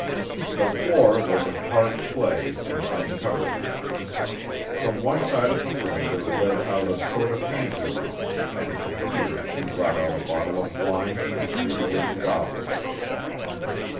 The floor was of hard clay and uncovered. From one side of the room there led out a sort of anteroom, and from here he brought out a bottle of wine with three wooden goblets.